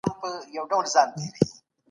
د پلار رضا د الله رضا ده.